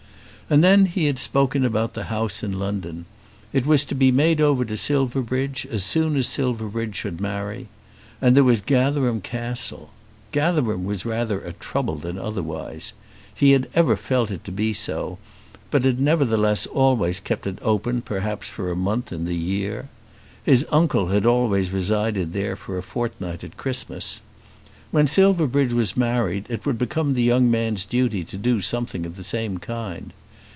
And then he had spoken about the house in London. It was to be made over to Silverbridge as soon as Silverbridge should marry. And there was Gatherum Castle. Gatherum was rather a trouble than otherwise. He had ever felt it to be so, but had nevertheless always kept it open perhaps for a month in the year. His uncle had always resided there for a fortnight at Christmas. When Silverbridge was married it would become the young man's duty to do something of the same kind.